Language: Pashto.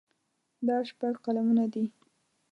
دا شپږ قلمونه دي.